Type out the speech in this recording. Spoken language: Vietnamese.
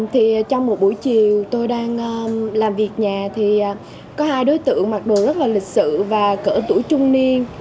trong một buổi chiều tôi đang làm việc nhà thì có hai đối tượng mặc đồ rất là lịch sự và cỡ tuổi trung niên